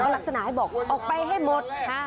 ลักษณะให้บอกออกไปให้หมด